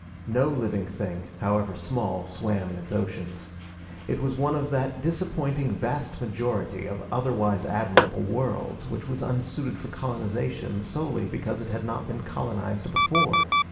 No living thing, however small, swam in its oceans. It was one of that disappointing vast majority of otherwise admirable worlds which was unsuited for colonization solely because it had not been colonized before.